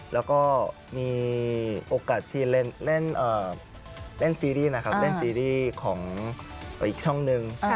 แล้วก็มีโอกาสที่เล่นซีรีส์ของอีกช่องหนึ่ง